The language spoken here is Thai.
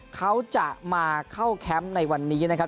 เขาจะมาเข้าแคมป์ในวันนี้นะครับ